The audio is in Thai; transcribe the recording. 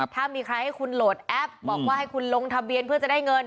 ถ้ามีใครให้คุณโหลดแอปบอกว่าให้คุณลงทะเบียนเพื่อจะได้เงิน